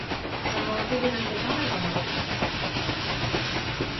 Само тебе да не те кара жена ти.